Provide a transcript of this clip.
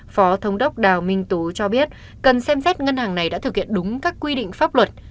phó thống đốc đào minh tú cho biết cần xem xét ngân hàng này đã thực hiện đúng các quy định pháp luật